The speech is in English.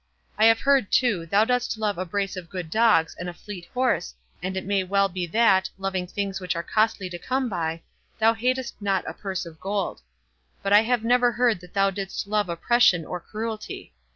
I have heard, too, thou dost love a brace of good dogs and a fleet horse, and it may well be that, loving things which are costly to come by, thou hatest not a purse of gold. But I have never heard that thou didst love oppression or cruelty.